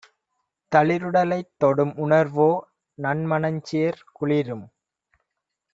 தளிருடலைத் தொடும்உணர்வோ நன்மணஞ்சேர் குளிரும்!